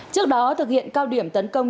trước đó thực hiện cao điểm tấn công